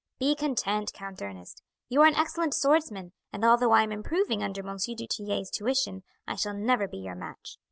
Be content, Count Ernest; you are an excellent swordsman, and although I am improving under M. du Tillet's tuition I shall never be your match.